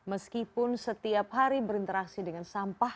meskipun setiap hari berinteraksi dengan sampah